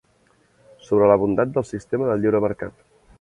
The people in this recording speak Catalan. Sobre la bondat del sistema del lliure mercat.